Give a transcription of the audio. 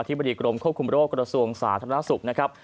อธิบดิบัติกรมควบคุมโรคกระทรวงศาสนค์ธนาศุกร์นะครับ